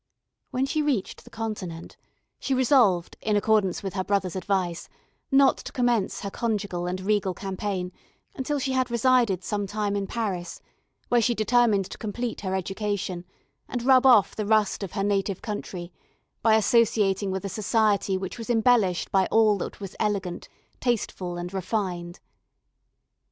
When she reached the Continent, she resolved, in accordance with her brother's advice, not to commence her conjugal and regal campaign until she had resided some time in Paris, where she determined to complete her education, and rub off the rust of her native country, by associating with a society which was embellished by all that was elegant, tasteful, and refined.